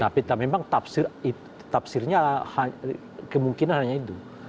tapi memang tafsirnya kemungkinan hanya itu